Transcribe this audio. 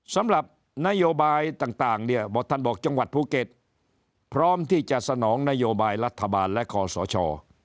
สำหรับนโยบายต่างเนี่ยท่านบอกจังหวัดภูเก็ตพร้อมที่จะสนองนโยบายรัฐบาลและคอสช